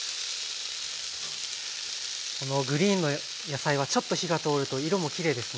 このグリーンの野菜はちょっと火が通ると色もきれいですね。